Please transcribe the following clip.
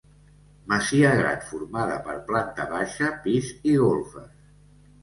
Masia gran formada per planta baixa, pis i golfes.